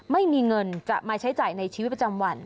ไม่มีเงินจะมาใช้จ่ายในชีวิตประจำวัน